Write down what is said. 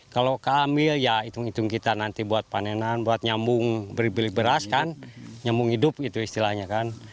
kalau keambil ya hitung hitung kita nanti buat panenan buat nyambung beli beli beras kan nyambung hidup gitu istilahnya kan